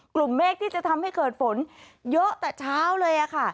เมฆที่จะทำให้เกิดฝนเยอะแต่เช้าเลยค่ะ